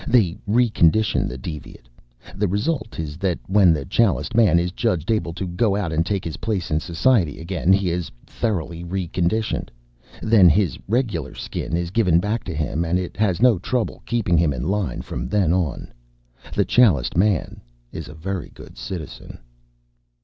They re condition the deviate. The result is that when the Chaliced Man is judged able to go out and take his place in society again, he is thoroughly re conditioned. Then his regular Skin is given back to him and it has no trouble keeping him in line from then on. The Chaliced Man is a very good citizen."